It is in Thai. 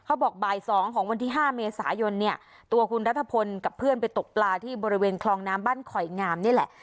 บอกบ่าย๒ของวันที่๕เมษายนเนี่ยตัวคุณรัฐพลกับเพื่อนไปตกปลาที่บริเวณคลองน้ำบ้านขอยงามนี่แหละ